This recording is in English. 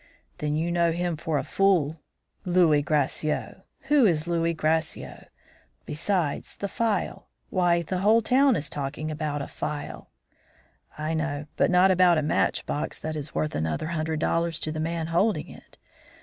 "Then you know him for a fool. Louis Gracieux! Who is Louis Gracieux? Besides, the phial why, the whole town is talking about a phial " "I know, but not about a match box that is worth another hundred dollars to the man holding it.